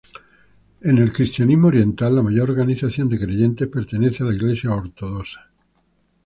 En el cristianismo oriental, la mayor organización de creyentes pertenece a la Iglesia ortodoxa.